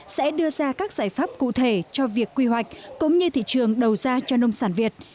sẽ đưa ra các giải pháp cụ thể cho việc quy hoạch cũng như thị trường đầu ra cho nông sản việt